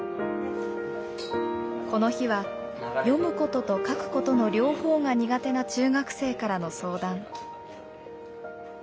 この日は読むことと書くことの両方が苦手な中学生からの相談。